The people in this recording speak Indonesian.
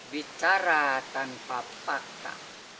bicara tanpa fakta